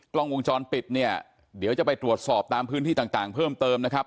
กล้องวงจรปิดเนี่ยเดี๋ยวจะไปตรวจสอบตามพื้นที่ต่างเพิ่มเติมนะครับ